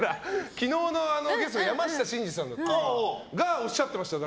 昨日のゲストの山下真司さんがおっしゃってました。